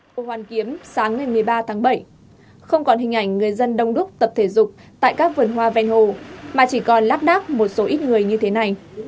hồ hoàn kiếm sáng ngày một mươi ba tháng bảy không còn hình ảnh người dân đông đúc tập thể dục tại các vườn hoa ven hồ mà chỉ còn lát đác một số ít người như thế này